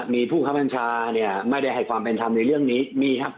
มีผู้คับบัญชาเนี่ยไม่ได้ให้ความเป็นธรรมในเรื่องนี้มีครับ